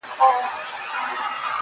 باروتي زلفو دې دومره راگير کړی,